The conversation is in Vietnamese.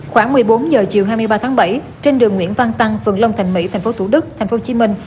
khoảng một mươi bốn h chiều hai mươi ba tháng bảy trên đường nguyễn văn tăng phường long thành mỹ thành phố thủ đức thành phố hồ chí minh